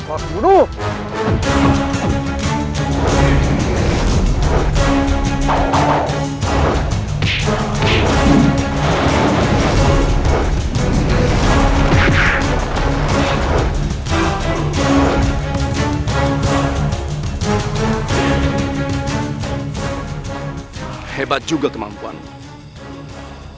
aku harus membunuh